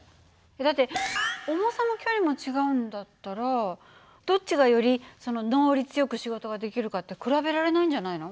だって重さも距離も違うんだったらどっちがより能率よく仕事ができるかって比べられないんじゃないの？